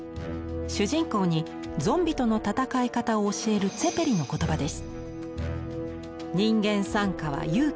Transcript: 主人公に屍生人との戦い方を教えるツェペリの言葉です。